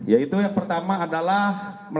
yaitu yang pertama adalah